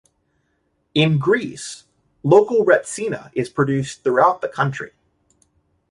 In Greece, local Retsina is produced throughout the country.